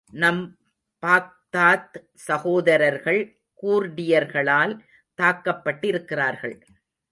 நம் பாக்தாத் சகோதரர்கள் கூர்டியர்களால் தாக்கப்பட்டிருக்கிறார்கள்.